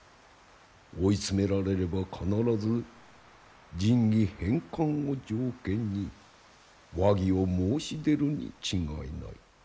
追い詰められれば必ず神器返還を条件に和議を申し出るに違いない。